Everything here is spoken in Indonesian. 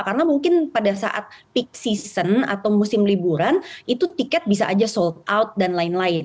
karena kalau ada saat peak season atau musim liburan itu tiket bisa saja sold out dan lain lain